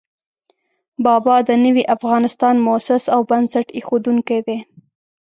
بابا د نوي افغانستان مؤسس او بنسټ اېښودونکی دی.